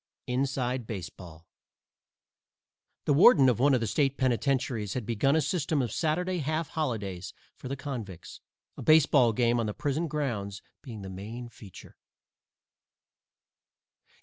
_ "INSIDE" BASEBALL (_The warden of one of the State penitentiaries has begun a system of Saturday half holidays for the convicts, a baseball game on the prison grounds being the main feature.